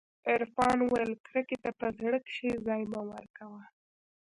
عرفان وويل کرکې ته په زړه کښې ځاى مه ورکوه.